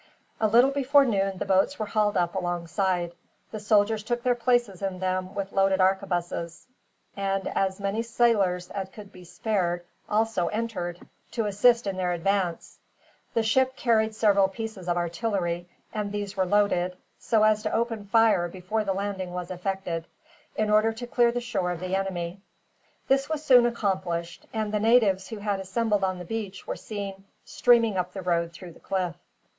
A little before noon the boats were hauled up alongside, the soldiers took their places in them with loaded arquebuses, and as many sailors as could be spared also entered, to assist in their advance. The ship carried several pieces of artillery, and these were loaded, so as to open fire before the landing was effected, in order to clear the shore of the enemy. This was soon accomplished, and the natives who had assembled on the beach were seen, streaming up the road through the cliff.